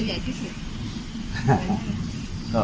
ไม่ต่อไป